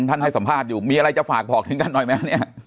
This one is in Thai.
ท่านให้สัมภาษณ์อยู่มีอะไรจะฝากพอบริการหน่อยมั้ย